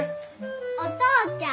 お父ちゃん。